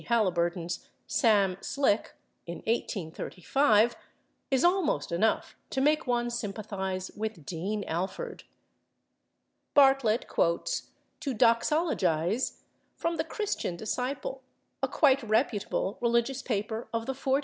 Haliburton's "Sam Slick" in 1835, is almost enough to make one sympathize with Dean Alford. Bartlett quotes /to doxologize/ from the /Christian Disciple/, a quite reputable religious paper of the 40's.